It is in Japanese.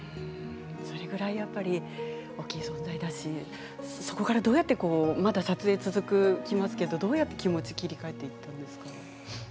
それぐらいやっぱり大きい存在だしそこからどうやってまた撮影が続きますけどどうやって気持ちを切り替えていったんですか？